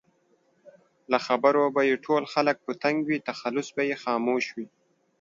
له خبرو به یې ټول خلک په تنګ وي؛ تخلص به یې خاموش وي